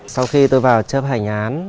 sau khi tôi vào chấp hành án